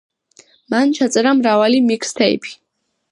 მან ჩაწერა მრავალი მიქსთეიფი.